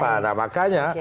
siapa nah makanya